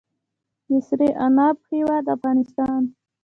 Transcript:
د سرې عناب هیواد افغانستان.